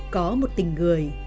có một tình người